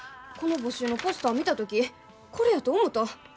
この募集のポスター見た時これやと思うた。